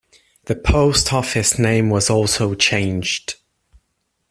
The post office name was also changed.